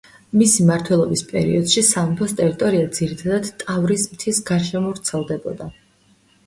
მისი მმართველობის პერიოდში სამეფოს ტერიტორია ძირითადად ტავრის მთის გარშემო ვრცელდებოდა.